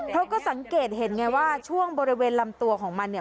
เขาก็สังเกตเห็นไงว่าช่วงบริเวณลำตัวของมันเนี่ย